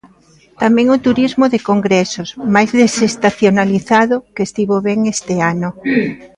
Tamén o turismo de congresos, máis desestacionalizado, que estivo ben este ano.